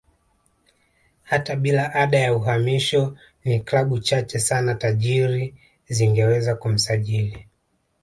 Hata bila ada ya uhamisho ni klabu chache sana tajiri zingeweza kumsajili